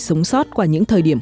sống sót qua những thời điểm